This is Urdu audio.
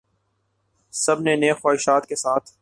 سب نے نیک خواہشات کے ساتھ